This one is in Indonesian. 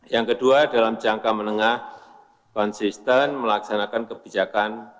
yang kedua dalam jangka menengah konsisten melaksanakan kebijakan